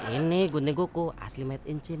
ini gunting kuku asli made in cina